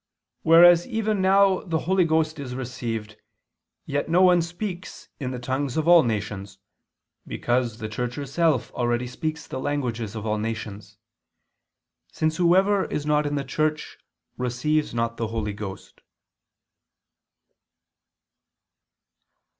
"whereas even now the Holy Ghost is received, yet no one speaks in the tongues of all nations, because the Church herself already speaks the languages of all nations: since whoever is not in the Church, receives not the Holy Ghost."